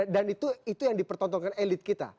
dan itu yang dipertontonkan elit kita